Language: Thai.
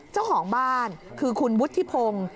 เจ้าของบ้านคือคุณวุฒิพงศ์